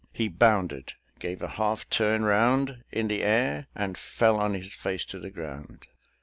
He bounded, gave a half turn round in the air, and fell on his face to the ground.